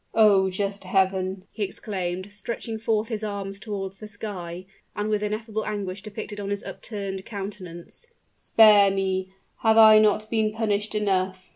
"Oh! just Heaven," he exclaimed, stretching forth his arms toward the sky, and with ineffable anguish depicted on his upturned countenance; "spare me! Have I not been punished enough!